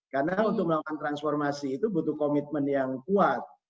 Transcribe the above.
karena untuk melakukan transformasi itu butuh komitmen yang kuat